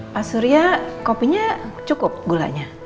pak surya kopinya cukup gulanya